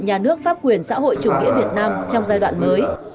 nhà nước pháp quyền xã hội chủ nghĩa việt nam trong giai đoạn mới